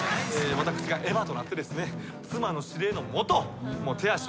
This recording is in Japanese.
私がエヴァとなって妻の指令の下手足となって動く。